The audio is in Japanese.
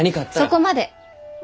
そこまで！